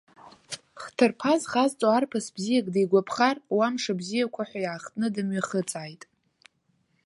Хҭырԥа зхазҵо арԥыс бзиак дигәаԥхар, уа мшыбзиақәа ҳәа иаахтны дымҩахыҵааит.